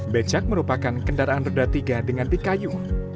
becak merupakan kendaraan roda tiga dengan dikayu